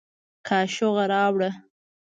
کاشوغه راوړه